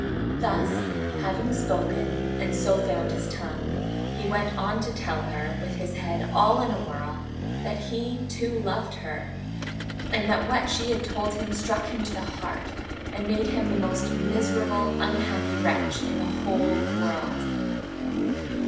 Thus, having spoken, and so found his tongue, he went on to tell her, with his head all in a whirl, that he, too, loved her, and that what she had told him struck him to the heart, and made him the most miserable, unhappy wretch in the whole world.